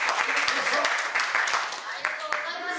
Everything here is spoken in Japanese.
ありがとうございます。